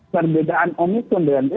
perbedaan omnitron dengan delta